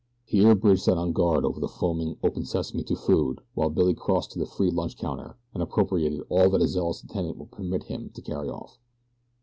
Here Bridge sat on guard over the foaming open sesame to food while Billy crossed to the free lunch counter and appropriated all that a zealous attendant would permit him to carry off.